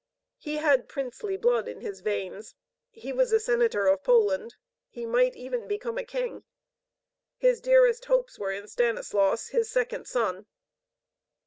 He had princely blood in his veins, he was a Senator of Poland, he might even become a king. His dearest hopes were in Stanislaus, his second son.